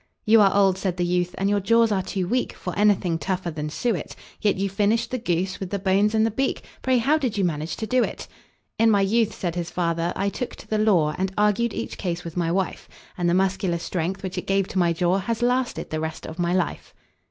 "You are old," said the youth, "and your jaws are too weak For anything tougher than suet; Yet you finished the goose, with the bones and the beak Pray, how did you manage to do it?" "In my youth," said his fater, "I took to the law, And argued each case with my wife; And the muscular strength, which it gave to my jaw, Has lasted the rest of my life."